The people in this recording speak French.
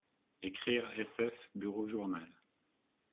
Ecrire SF bureau journal.